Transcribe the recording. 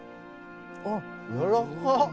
あっやわらかっ。